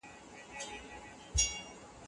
په هره لاره درسره يم